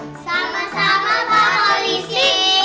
sama sama pak polisi